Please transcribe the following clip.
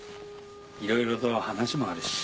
いろいろと話もあるし。